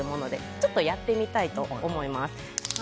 ちょっとやってみたいと思います。